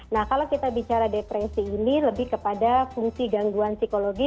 nah kalau kita bicara depresi ini lebih kepada fungsi gangguan psikologi